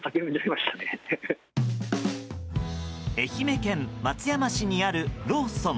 愛媛県松山市にあるローソン。